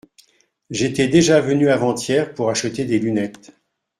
J’étais déjà venu avant-hier pour acheter des lunettes.